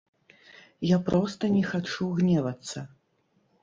Я проста не хачу гневацца!